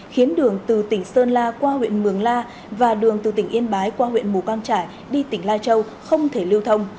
khiến đường từ tỉnh sơn la qua huyện mường la và đường từ tỉnh yên bái qua huyện mù căng trải đi tỉnh lai châu không thể lưu thông